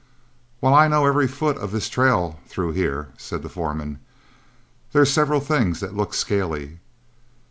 "While I know every foot of this trail through here," said the foreman, "there's several things that look scaly.